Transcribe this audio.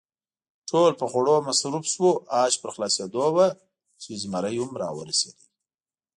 ټول په خوړو مصروف شوو، آش پر خلاصېدو ول چې زمري هم را ورسېد.